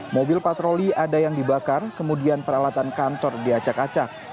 mobil patroli ada yang dibakar kemudian peralatan kantor diacak acak